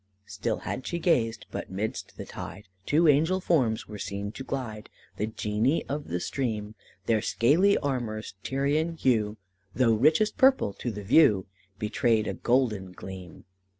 "Still had she gazed, but 'midst the tide, Two angel forms were seen to glide, The genii of the stream; Their scaly armour's Tyrian hue, Though richest purple to the view, Betrayed a golden gleam.